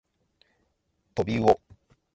とびうお